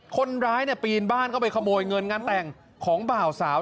คนร้ายปีนบ้านเข้าไปขโมยเงินงานแต่งของบ่าวสาว